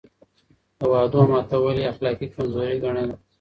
د وعدو ماتول يې اخلاقي کمزوري ګڼله.